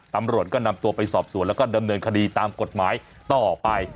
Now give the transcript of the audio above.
ตำรวจก็นำตัวไปสอบสวนแล้วก็ดำเนินคดีตามกฎหมายต่อไป